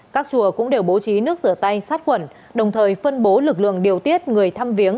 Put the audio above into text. các chùa cũng đều bố trí nước rửa tay sát khuẩn đồng thời phân bố lực lượng điều tiết người thăm viếng